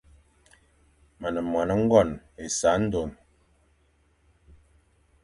Me ne moan ngone essandone.